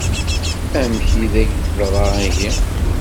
Amek i d-ak-teḍṛa ihi?